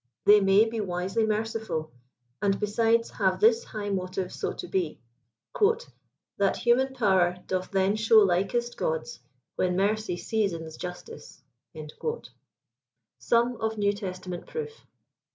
They may be wisely merciful, and besides have this high motive so to be, « That human power doth then show likest God'a, When mercy seasons justice.'' SUM OF NEW TESTAMENT PROOF.